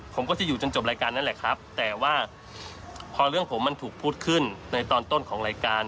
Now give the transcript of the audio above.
ผมก็จะอยู่จนจบรายการนั่นแหละครับแต่ว่าพอเรื่องผมมันถูกพูดขึ้นในตอนต้นของรายการ